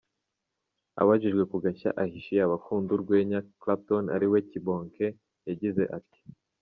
Abajijwe ku gashya ahishiye abakunda urwenya, Clapton ariwe Kibonke yagize ati:.